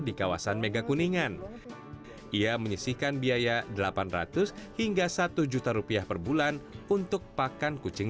di kawasan megakuningan ia menyisihkan biaya delapan ratus hingga satu juta rupiah per bulan untuk pakan kucing